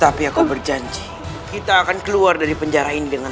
tapi aku berjanji kita akan keluar dari penjara ini dengan